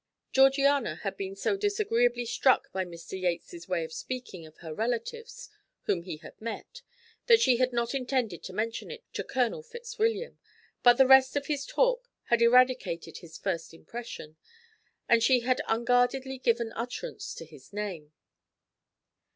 Georgiana had been so disagreeably struck by Mr. Yates's way of speaking of her relatives whom he had met, that she had not intended to mention it to Colonel Fitzwilliam, but the rest of his talk had eradicated his first impression, and she had unguardedly given utterance to his name.